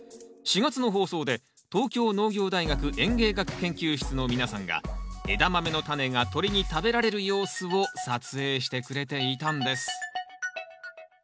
４月の放送で東京農業大学園芸学研究室の皆さんがエダマメのタネが鳥に食べられる様子を撮影してくれていたんです。